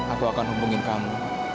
aku akan hubungin kamu